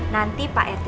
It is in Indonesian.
nanti pak rt